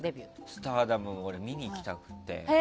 スターダム、俺見に行きたくて。